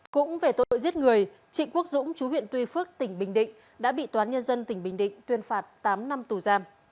cũng về tội giết người trịnh quốc dũng chú huyện tuy phước tỉnh bình định đã bị toán nhân dân tỉnh bình định tuyên phạt tám năm tù giam